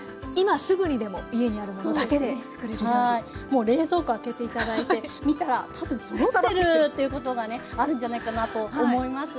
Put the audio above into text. もう冷蔵庫開けて頂いて見たら多分そろってるっていうことがねあるんじゃないかなと思います。